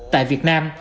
tại việt nam